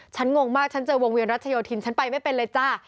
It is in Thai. งงมากฉันเจอวงเวียนรัชโยธินฉันไปไม่เป็นเลยจ้า